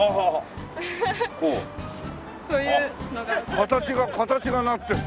形が形がなってる。